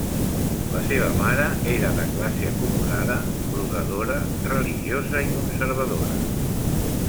La seva mare era de classe acomodada, brodadora, religiosa i conservadora.